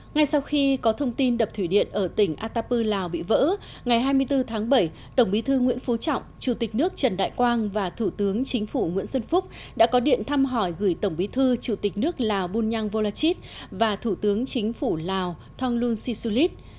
ngay sau khi có thông tin đập thủy điện ở tỉnh atapu lào bị vỡ ngày hai mươi bốn tháng bảy tổng bí thư nguyễn phú trọng chủ tịch nước trần đại quang và thủ tướng chính phủ nguyễn xuân phúc đã có điện thăm hỏi gửi tổng bí thư chủ tịch nước lào bunyang volachit và thủ tướng chính phủ lào thonglun sisulit